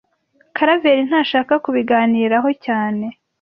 Karaveri ntashaka kubiganiraho cyane